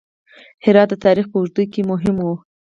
هرات د تاریخ په اوږدو کې مهم و